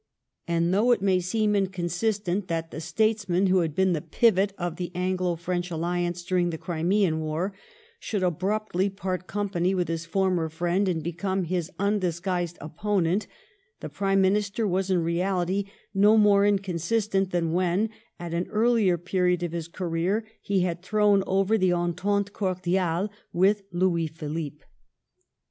And, though it may seem inconsistent that the Statesman who had been the piyot of the Anglo French alliance during the Crimean war, should abruptly part company with his former friend and become his undisguised opponent^ the Prime Minister was in reality no more inconsistent than when, at an earlier period of his career^ he had thrown oyer the entente cordiale with Louis Philippe.